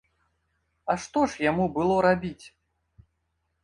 А што ж яму было рабіць?